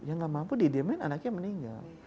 yang gak mampu didiemin anaknya meninggal